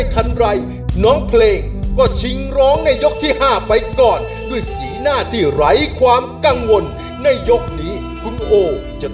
ต้องไปด้วยกันนะคะ